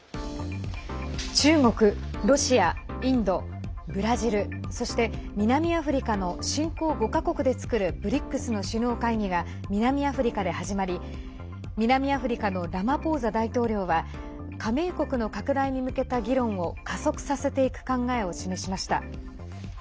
中国、ロシア、インドブラジル、そして南アフリカの新興５か国で作るＢＲＩＣＳの首脳会議が南アフリカで始まり南アフリカのラマポーザ大統領は加盟国の拡大に向けた議論を加速させていく考えを示しました。